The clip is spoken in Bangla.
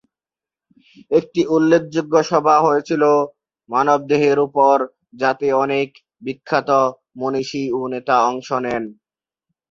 একটি উল্লেখযোগ্য সভা হয়েছিল মানবদেহের উপর যাতে অনেক বিখ্যাত মনীষী ও নেতা অংশ নেন।